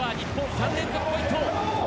３連続ポイント。